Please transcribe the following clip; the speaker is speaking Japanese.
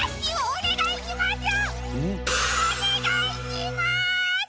おねがいします！